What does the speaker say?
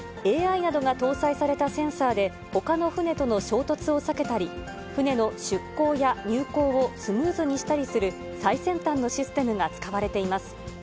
ＡＩなどが搭載されたセンサーで、ほかの船との衝突を避けたり、船の出港や入港をスムーズにしたりする最先端のシステムが使われています。